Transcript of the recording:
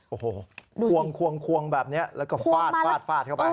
โอ้โหควงแบบนี้แล้วก็ฟาดเข้าไป